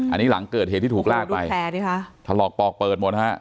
อันนี้หลังเกิดเหตุที่ถูกลากไปถลอกปอกเปิดหมดฮะ